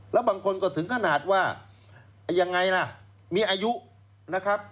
แล้วบางคนก็ถึงขนาดว่ายังไงล่ะมีอายุนะครับ